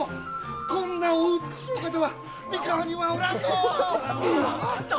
こんなお美しいお方は三河には、おらんのう！